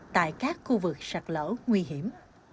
tại các khu vực sạt lở nguy hiểm